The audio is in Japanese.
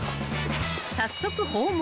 ［早速訪問］